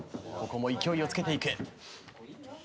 ここも勢いをつけていく。